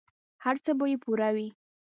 هر څه به یې پوره وي.